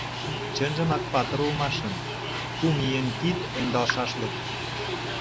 Чынжымак патыр улмашын, кум еҥ кид ӧндалшашлык.